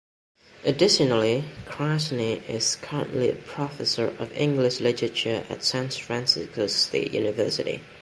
Additionally, Krasny is currently a professor of English literature at San Francisco State University.